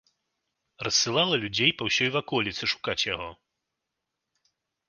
Рассылала людзей па ўсёй ваколіцы шукаць яго.